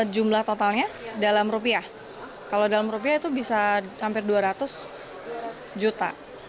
jumlah totalnya dalam rupiah kalau dalam rupiah itu bisa hampir dua ratus juta